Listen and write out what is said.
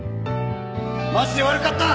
マジで悪かった！